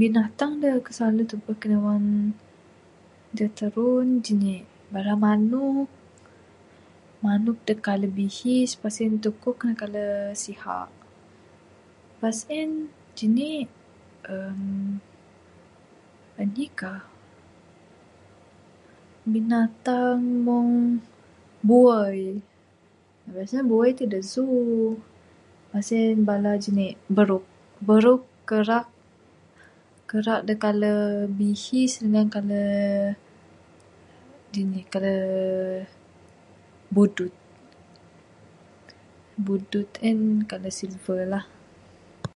Binatang da silalu tubek wang da tarun jani'k bala manuk, manuk da kale bihis pas en tukuk ne kale siha pas en jani'k uhh anih ka binatang meng buai. Ku rasa buai ti da zoo pas en bala beruk, kera da kale bihis dangan da kale jani'k kale budut, budut en kale silver lah.